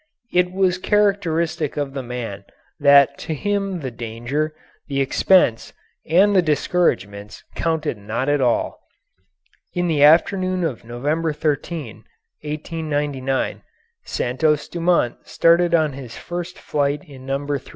It was characteristic of the man that to him the danger, the expense, and the discouragements counted not at all. In the afternoon of November 13, 1899, Santos Dumont started on his first flight in No. 3.